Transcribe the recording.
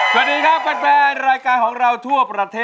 เรารตได่ให้ล้านลูกทุ่งสู่ชีวิต